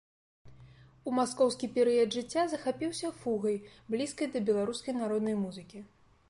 У маскоўскі перыяд жыцця захапіўся фугай, блізкай да беларускай народнай музыкі.